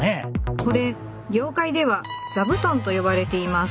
これ業界では「ザブトン」と呼ばれています。